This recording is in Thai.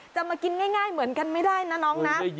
จะมากินง่ายเหมือนกันไม่ได้นะน้องนะ